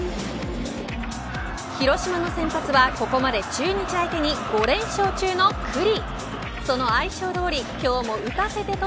広島の先発はここまで中日相手に５連勝中の九里。